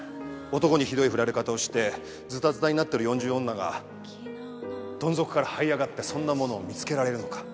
男にひどい振られ方をしてずたずたになってる四十女がどん底からはい上がってそんなものを見つけられるのか？